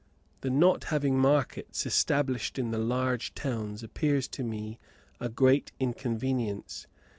The not having markets established in the large towns appears to me a great inconvenience.